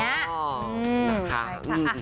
เหอะอย่างนี้ค่ะ